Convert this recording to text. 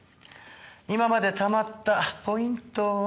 今までたまったポイントは。